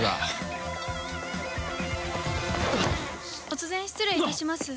突然失礼いたします。